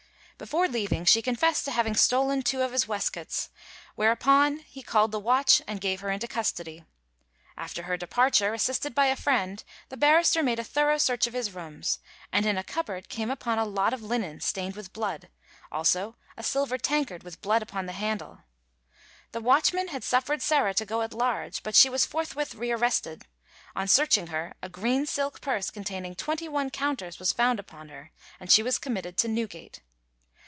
Before leaving she confessed to having stolen two of his waistcoats, whereupon he called the watch and gave her into custody. After her departure, assisted by a friend, the barrister made a thorough search of his rooms, and in a cupboard came upon a lot of linen stained with blood, also a silver tankard with blood upon the handle. The watchmen had suffered Sarah to go at large, but she was forthwith rearrested; on searching her, a green silk purse containing twenty one counters was found upon her, and she was committed to Newgate.